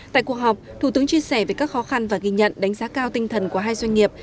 tại cuộc họp thủ tướng chia sẻ về các khó khăn và ghi nhận đánh giá cao tinh thần của hai doanh nghiệp